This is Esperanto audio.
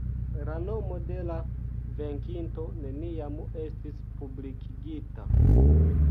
La nomo de la venkinto neniam estis publikigita.